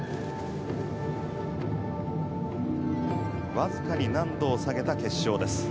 わずかに難度を下げた決勝です。